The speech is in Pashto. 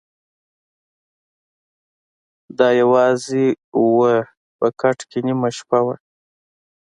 د ا یوازي وه په کټ کي نیمه شپه وه